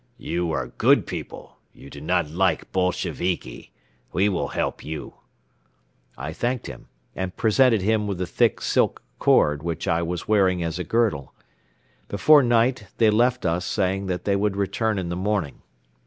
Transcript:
"You are good people. You do not like Bolsheviki. We will help you." I thanked him and presented him with the thick silk cord which I was wearing as a girdle. Before night they left us saying that they would return in the morning.